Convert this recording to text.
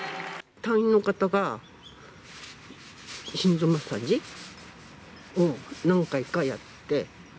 隊員の方が心臓マッサージを何回かやって。